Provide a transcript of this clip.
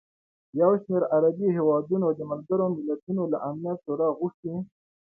یوشمېر عربي هېوادونو د ملګروملتونو له امنیت شورا غوښتي